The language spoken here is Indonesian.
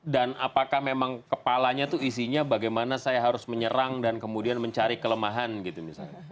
dan apakah memang kepalanya tuh isinya bagaimana saya harus menyerang dan kemudian mencari kelemahan gitu misalnya